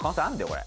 これ。